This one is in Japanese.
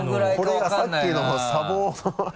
これがさっきの茶房の